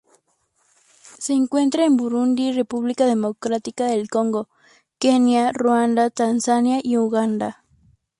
Se encuentra en Burundi, República Democrática del Congo, Kenia, Ruanda, Tanzania y Uganda.